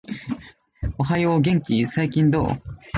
おはよう、元気ー？、最近どう？？